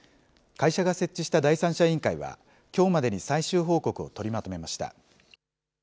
会社が設置した第三者委員会は、きょうまでに最終報告を取りまとめました。